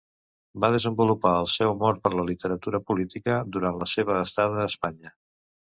Va desenvolupar el seu amor per la literatura política durant la seva estada a Espanya.